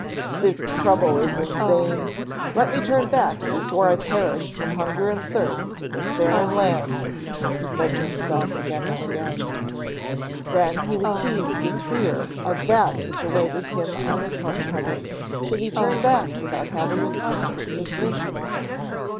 "This trouble is in vain. Let me turn back before I perish from hunger and thirst in this barren land!" he said to himself, again and again. Then he was seized with fear of that which awaited him on his home coming, should he turn back without having accomplished his mission.